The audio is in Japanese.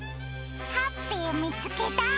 ハッピーみつけた！